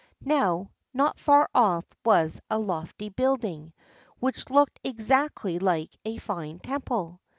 Now, not far off was a lofty building, which looked exactly like a fine temple.